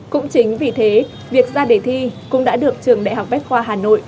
cũng chính vì thế việc ra đề thi cũng đã được trường đại học bách khoa hà nội